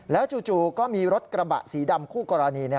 จู่ก็มีรถกระบะสีดำคู่กรณี